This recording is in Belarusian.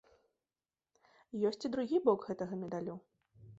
Ёсць і другі бок гэтага медалю.